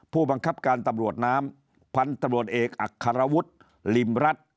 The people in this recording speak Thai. ผู้บังคับการตำรวจน้ำพันธุ์ตำรวจเอกอัครวุฒิริมรัฐ